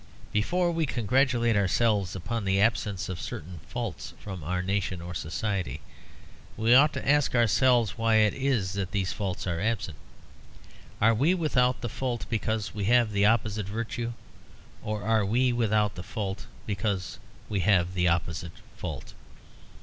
Before we congratulate ourselves upon the absence of certain faults from our nation or society, we ought to ask ourselves why it is that these faults are absent. Are we without the fault because we have the opposite virtue? Or are we without the fault because we have the opposite fault?